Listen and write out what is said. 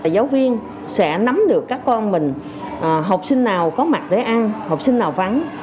giáo viên sẽ nắm được các con mình học sinh nào có mặt để ăn học sinh nào vắng